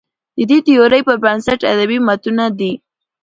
د دې تيورۍ پر بنسټ ادبي متونو ته